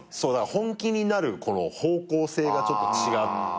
本気になる方向性がちょっと違う。